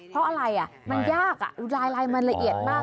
เพราะอะไรมันยากลายมันละเอียดมาก